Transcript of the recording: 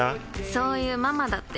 そういうママだって。